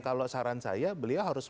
kalau saran saya beliau harus